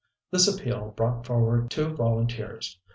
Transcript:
This appeal brought forward two volunteers.